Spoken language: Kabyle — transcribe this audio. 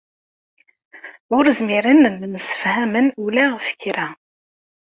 Ur zmiren ad msefhamen ula ɣef kra.